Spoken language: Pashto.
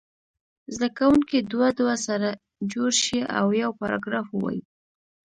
زده کوونکي دوه دوه سره جوړ شي او یو پاراګراف ووایي.